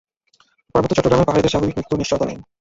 পার্বত্য চট্টগ্রামে পাহাড়িদের স্বাভাবিক মৃত্যুর নিশ্চয়তা নেই।